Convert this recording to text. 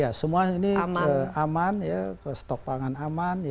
ya semua ini aman ya ke stok pangan aman